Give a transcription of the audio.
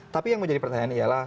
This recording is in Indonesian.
tapi yang menjadi pertanyaan ialah